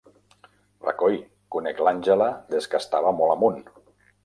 Recoi, conec l'Àngela des que estava molt amunt.